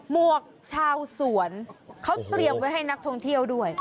หวกชาวสวนเขาเตรียมไว้ให้นักท่องเที่ยวด้วย